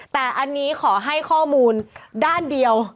แต่อันนี้ขอให้ข้อมูลด้านเดียว